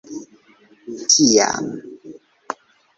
tiam